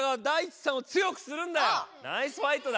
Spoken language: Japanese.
ナイスファイトだ。